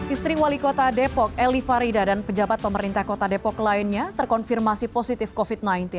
istri wali kota depok eli farida dan pejabat pemerintah kota depok lainnya terkonfirmasi positif covid sembilan belas